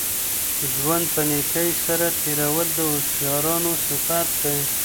ژوند په نېکۍ سره تېرول د هوښیارانو صفت دی.